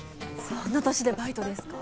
そんな年でバイトですか？